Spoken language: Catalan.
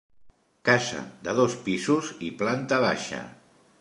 Casa de dos pisos i planta baixa.